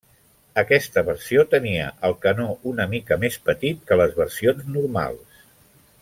Aquesta versió tenia el canó una mica més petit que les versions normals.